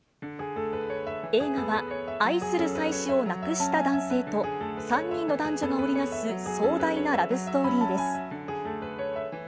映画は、愛する妻子を亡くした男性と、３人の男女が織り成す壮大なラブストーリーです。